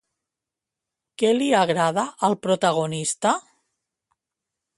Què li agrada al protagonista?